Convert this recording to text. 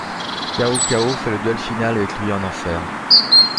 Cao Cao fait le duel final avec lui en enfer.